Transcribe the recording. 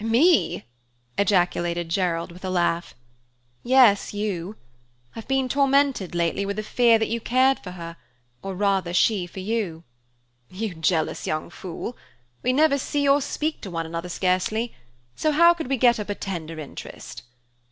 "Me!" ejaculated Gerald, with a laugh. "Yes, you; I've been tormented lately with a fear that you cared for her, or rather, she for you." "You jealous young fool! We never see or speak to one another scarcely, so how could we get up a tender interest?"